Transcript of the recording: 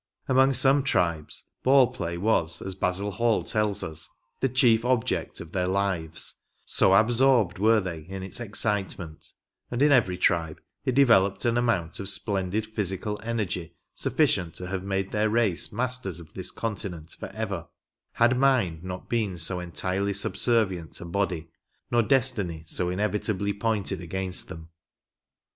Among some tribes, ball play was, as Basil Hall tells us, " the chief object of their lives," so absorbed were they in its excitement ; and in every tribe it developed an amount of splendid physical energy sufficient to have made their race masters of this continent for ever, had mind not been so entirely subservient to body, nor destiny so inevit ably pointed against them.